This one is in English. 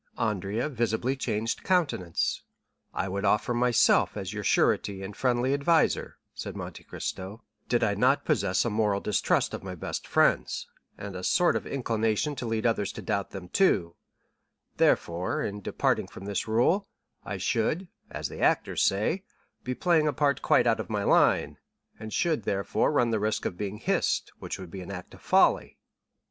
Andrea visibly changed countenance. "I would offer myself as your surety and friendly adviser," said Monte Cristo, "did I not possess a moral distrust of my best friends, and a sort of inclination to lead others to doubt them too; therefore, in departing from this rule, I should (as the actors say) be playing a part quite out of my line, and should, therefore, run the risk of being hissed, which would be an act of folly."